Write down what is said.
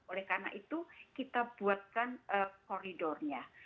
oleh karena itu kita buatkan koridornya